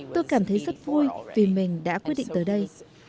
tôi cảm thấy rất vui vì mình đã quyết định tới đây